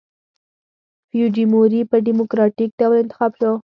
فوجیموري په ډیموکراټیک ډول انتخاب شو.